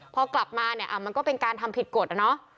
พอกลับมาเนี่ยมันก็เป็นการทำผิดกฎอะเนาะ